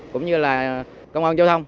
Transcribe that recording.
cũng như là công an giao thông